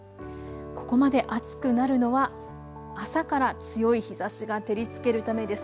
ここまで暑くなるのは朝から強い日ざしが照りつけるためです。